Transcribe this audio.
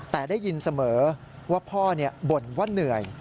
แต่ได้ยินเสมอว่าพ่อบ่นว่าเหนื่อย